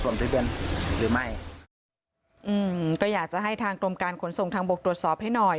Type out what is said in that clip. รถผมกันสนเห็นหรือไม่มืนก็อยากจะได้ทางกรมการขนส่งทางบกตรวจสอบให้หน่อย